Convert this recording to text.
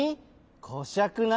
こしゃくな。